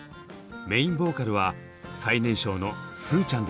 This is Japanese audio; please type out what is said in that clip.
メインボーカルは最年少のスーちゃんでした。